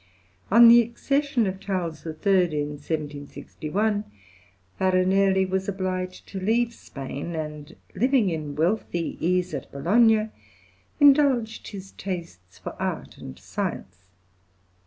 On the accession of Charles III., in 1761, Farinelli was obliged to leave Spain, and living in wealthy ease at Bologna, indulged his tastes for art and science.